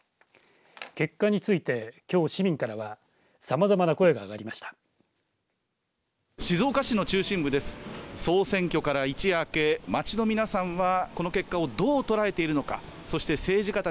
結果について、きょう市民からはさまざまな声が上がりました。